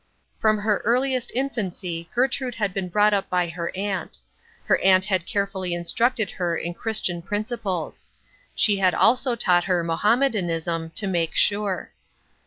From her earliest infancy Gertrude had been brought up by her aunt. Her aunt had carefully instructed her in Christian principles. She had also taught her Mohammedanism to make sure.